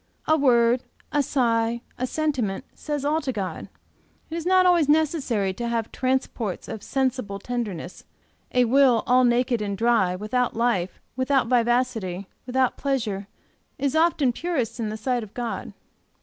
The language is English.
A word, a sigh, a sentiment, says all to God; it is not always necessary to have transports of sensible tenderness; a will all naked and dry, without life, without vivacity, without pleasure, is often purest in the sight of God.